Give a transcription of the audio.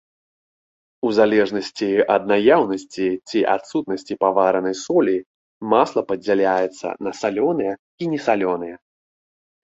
У залежнасці ад наяўнасці ці адсутнасці паваранай солі, масла падзяляецца на салёнае і несалёнае.